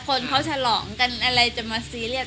คนเขาฉลองกันอะไรจะมาซีเรียส